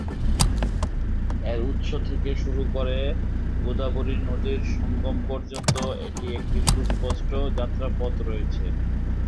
এর উৎস থেকে শুরু করে গোদাবরী নদীর সঙ্গম পর্যন্ত এটির একটি সুস্পষ্ট যাত্রাপথ রয়েছে।